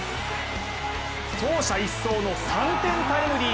走者一掃の３点タイムリー。